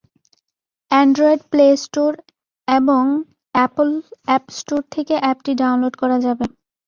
Android Play Store এবং Apple App Store থেকে অ্যাপটি ডাউনলোড করা যাবে।